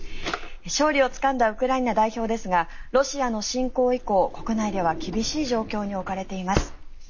勝利をつかんだウクライナ代表ですがロシアの侵攻以降国内では厳しい状況に置かれています。